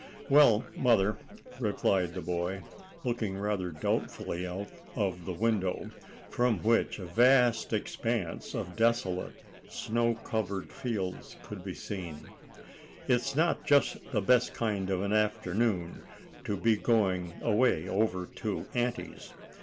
"Well, mother," replied the boy, looking rather doubtfully out of the window, from which a vast expanse of desolate, snow covered fields could be seen, "it's not just the best kind of an afternoon to be going away over to aunty's.